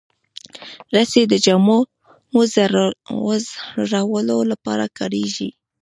رسۍ د جامو وځړولو لپاره کارېږي.